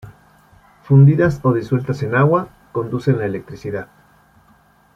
Fundidas o disueltas en agua, conducen la electricidad.